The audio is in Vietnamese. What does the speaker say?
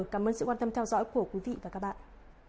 cảm ơn sự quan tâm theo dõi của quý vị và các bạn